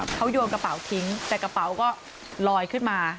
เขาโยนกระเป๋าทิ้งแต่กระเป๋าก็ลอยขึ้นมา